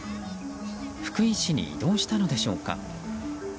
福井市に移動したのでしょうか。